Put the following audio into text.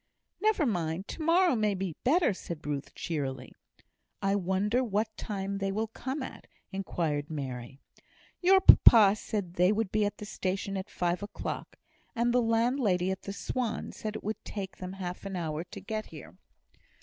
"Never mind! to morrow may be better," said Ruth, cheerily. "I wonder what time they will come at?" inquired Mary. "Your papa said they would be at the station at five o'clock. And the landlady at the Swan said it would take them half an hour to get here."